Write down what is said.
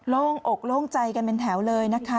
โล่งอกโล่งใจกันเป็นแถวเลยนะคะ